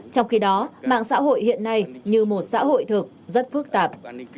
trong khi đó mạng xã hội hiện nay như một xã hội thực rất phức tạp